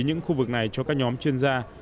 những khu vực này cho các nhóm chuyên gia